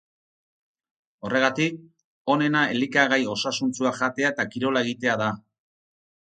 Horregatik, onena elikagai osasuntsuak jatea eta kirola egitea da.